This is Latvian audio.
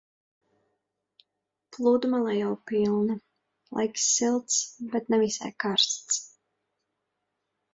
Pludmale jau pilna. Laiks silts, bet ne visai karsts.